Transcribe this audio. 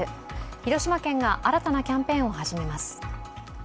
広島県が新たなキャンペーンを始めます。